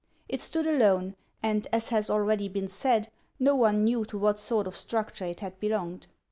It stood alone, and, as has already been said, no one knew to what sort of struc ture it had belonged.